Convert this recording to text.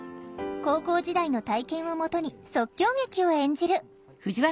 高校時代の体験をもとに即興劇を演じる